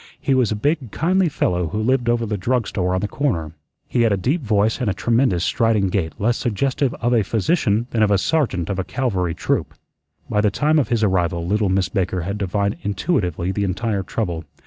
He was a big, kindly fellow who lived over the drug store on the corner. He had a deep voice and a tremendous striding gait less suggestive of a physician than of a sergeant of a cavalry troop. By the time of his arrival little Miss Baker had divined intuitively the entire trouble.